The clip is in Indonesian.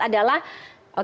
kalau kita lihat